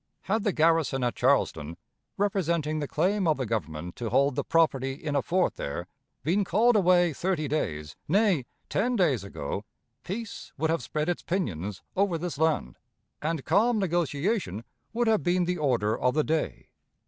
Had the garrison at Charleston, representing the claim of the Government to hold the property in a fort there, been called away thirty days, nay, ten days ago, peace would have spread its pinions over this land, and calm negotiation would have been the order of the day.